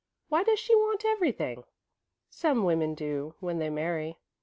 Why does she want everything?" "Some women do, when they marry.